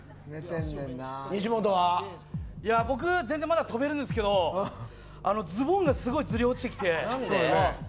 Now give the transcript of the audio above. まだ全然跳べるんですけどズボンがすごいずり落ちてきて。